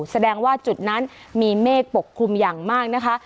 แสดงว่าจุดนั้นมีเมฆปกคลุมอย่างมากนะคะ